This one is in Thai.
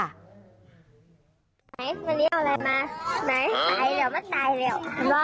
อ้าว